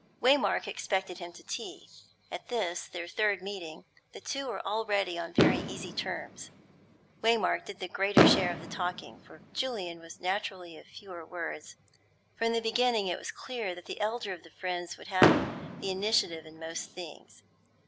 Waymark expected him to tea. At this, their third meeting, the two were already on very easy terms. Waymark did the greater share of the talking, for Julian was naturally of fewer words; from the beginning it was clear that the elder of the friends would have the initiative in most things.